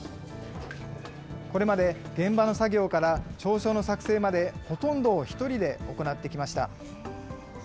これまで現場の作業から調書の作成までほとんどを１人で行ってきました。